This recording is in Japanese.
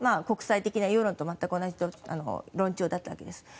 国際的な世論と全く同じ論調だったわけです。